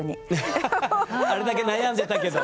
ハハハあれだけ悩んでたけど。